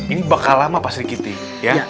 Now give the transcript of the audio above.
ini bakal lama pas dikitin